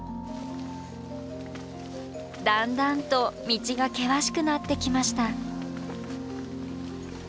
だんだんと道が険しくなってきました。